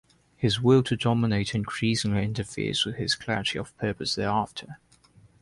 His will to dominate increasingly interferes with his clarity of purpose thereafter.